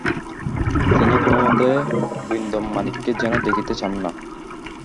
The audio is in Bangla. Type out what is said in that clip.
তিনি কোনোমতেই গোবিন্দমাণিক্যকে যেন দেখিতে চান না।